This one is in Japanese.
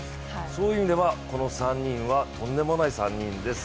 そういう意味ではこの３人はとんでもない３人です。